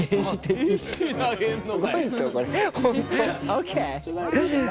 ＯＫ！